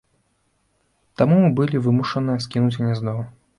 Таму мы былі вымушаныя скінуць гняздо.